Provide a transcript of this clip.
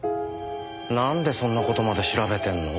なんでそんな事まで調べてんの？